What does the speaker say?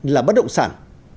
là bất động sản